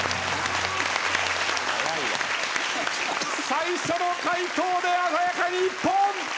最初の回答で鮮やかに一本！